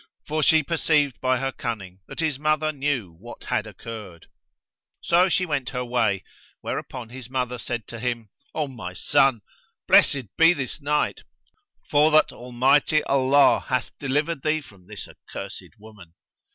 for she perceived by her cunning that his mother knew what had occurred. So she went her way; whereupon his mother said to him, "O my son, blessed be this night, for that Almighty Allah hath delivered thee from this accursed woman."